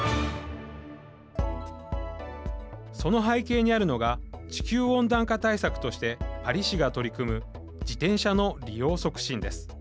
その背景にあるのが地球温暖化対策としてパリ市が取り組む「自転車の利用促進」です。